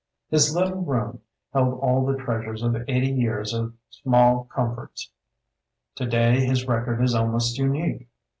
His little room held all the treas ures of eighty years of small com forts. Today his record is almost unique.